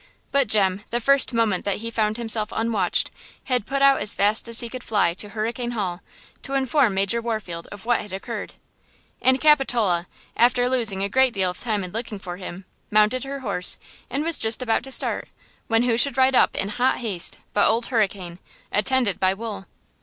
But Jem, the first moment that he found himself unwatched, had put out as fast as he could fly to Hurricane Hall, to inform Major Warfield of what had occurred. And Capitola, after losing a great deal of time in looking for him, mounted her horse and was just about to start, when who should ride up in hot haste but Old Hurricane, attended by Wool.